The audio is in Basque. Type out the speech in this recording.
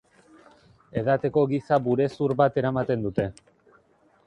Edateko giza-burezur bat eramaten dute.